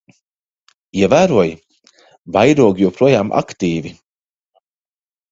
Ievēroji? Vairogi joprojām aktīvi.